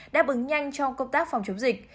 đáp ứng nhanh cho công tác phòng chống dịch